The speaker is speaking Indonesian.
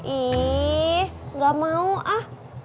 ih enggak mau ah